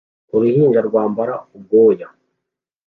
Uruhinja rwambara ubwoya